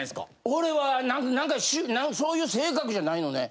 俺はなんかそういう性格じゃないのね。